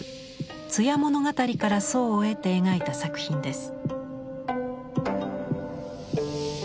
「通夜物語」から想を得て描いた作品です。